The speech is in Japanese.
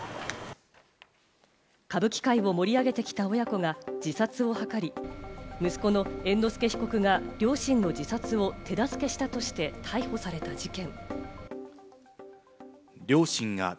歌舞伎界を盛り上げてきた親子が自殺を図り、息子の猿之助被告が両親の自殺を手助けしたとして逮捕された事件。